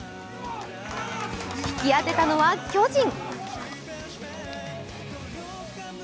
引き当てたのは巨人。